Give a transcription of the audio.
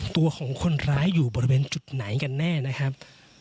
ตัวของคนร้ายอยู่บริเวณจุดไหนกันแน่นะครับ